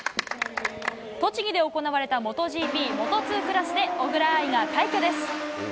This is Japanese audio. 栃木で行われたモトＧＰ、モト２クラスで小椋藍が快挙です。